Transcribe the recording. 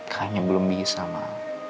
kayaknya belum bisa mbak